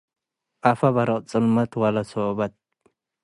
አፍሀ በርቅ ጥልመት ወለሶበት